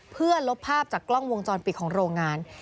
เพื่อลบภาพจากกล้องวงจรปิดของโรงงาน